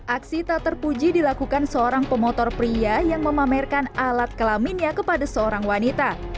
aksi tak terpuji dilakukan seorang pemotor pria yang memamerkan alat kelaminnya kepada seorang wanita